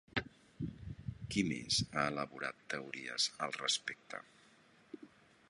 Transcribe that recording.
Qui més ha elaborat teories al respecte?